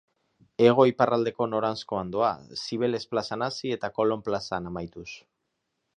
Hego-iparraldeko noranzkoan doa, Zibeles plazan hasi eta Kolon plazan amaituz.